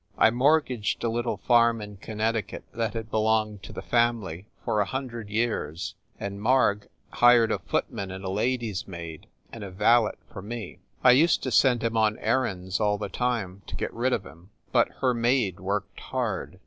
I mortgaged a little farm in Connecticut that had belonged to the family for a hundred years and Marg hired a foot man and a lady s maid and a valet for me. I used to send him on errands all the time to get rid of him, but her maid worked hard.